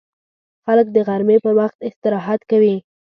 خلک د غرمې پر وخت استراحت کوي